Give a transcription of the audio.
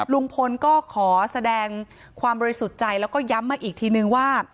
ลุงพลก็ขอแสดงความบริสุทธิ์ใจแล้วก็ย้ำมาอีกทีนึงว่า